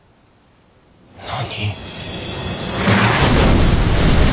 何？